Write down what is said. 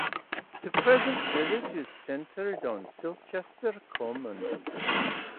The present village is centred on Silchester Common.